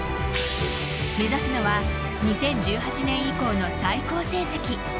目指すのは２０１８年以降の最高成績。